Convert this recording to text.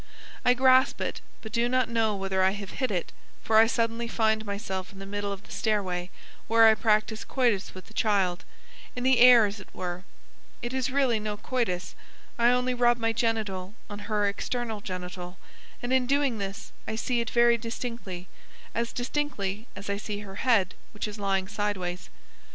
I grasp it, but do not know whether I have hit it, for I suddenly find myself in the middle of the stairway where I practice coitus with the child (in the air as it were). It is really no coitus, I only rub my genital on her external genital, and in doing this I see it very distinctly, as distinctly as I see her head which is lying sideways.